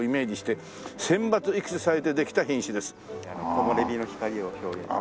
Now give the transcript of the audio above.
木漏れ日の光を表現しました。